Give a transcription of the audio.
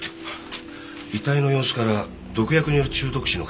遺体の様子から毒薬による中毒死の可能性があります。